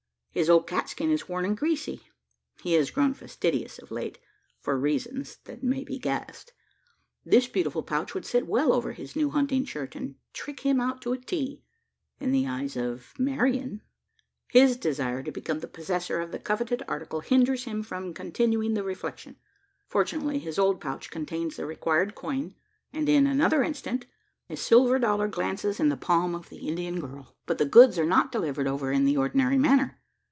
His old catskin is worn and greasy. He has grown fastidious of late for reasons that may be guessed. This beautiful pouch would sit well over his new hunting shirt, and trick him out to a T. In the eyes of Marian His desire to become the possessor of the coveted article hinders him from continuing the reflection. Fortunately his old pouch contains the required coin; and, in another instant, a silver dollar glances in the palm of the Indian girl. But the "goods" are not delivered over in the ordinary manner.